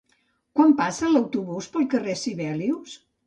Quan passa l'autobús pel carrer Sibelius?